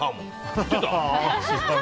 知ってた？